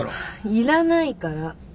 いらないから。